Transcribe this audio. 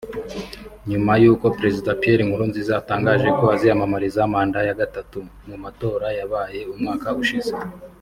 nyuma y’uko Perezida Pierre Nkurunziza atangaje ko aziyamamariza manda ya gatatu mu matora yabaye umwaka ushize